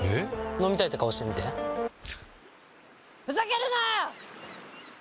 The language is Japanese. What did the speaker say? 飲みたいって顔してみてふざけるなー！